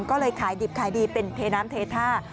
ก็เลยขายดิบขายดีเป็นเทน้ำเทท่า